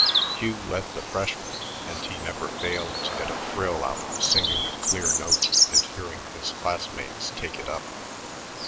Hugh led the freshmen, and he never failed to get a thrill out of singing a clear note and hearing his classmates take it up.